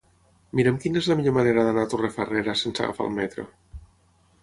Mira'm quina és la millor manera d'anar a Torrefarrera sense agafar el metro.